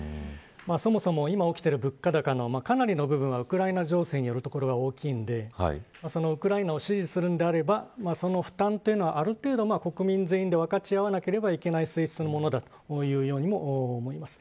そもそも今起きている物価高のかなりの部分はウクライナ情勢の影響が大きいのでそのウクライナを支持するのであればその負担はある程度、国民全員で分かち合わないといけない性質のものだと思います。